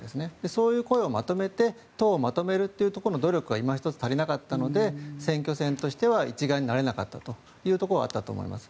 そういう声をまとめて党をまとめるというところの努力がいま一つ足りなかったので選挙戦としては一丸になれなかったというところはあったと思います。